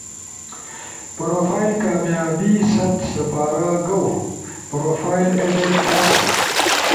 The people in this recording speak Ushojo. پروفائل کامیابی ست سپارا گؤ، پروفائل ایڈیٹ تھا